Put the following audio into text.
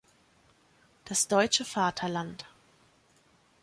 Das deutsche Vaterland.